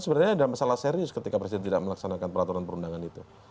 sebenarnya ada masalah serius ketika presiden tidak melaksanakan peraturan perundangan itu